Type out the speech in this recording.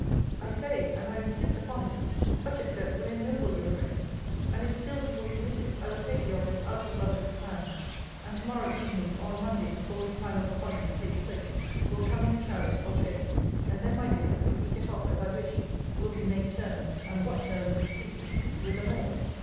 I say, and I insist upon it, such a step would ennoble your friend: and if still you will permit it, I will take the office out of Lovelace's hands; and, to morrow evening, or on Monday before his time of appointment takes place, will come in a chariot, or chaise: and then, my dear, if we get off as I wish, will we make terms (and what terms we please) with them all.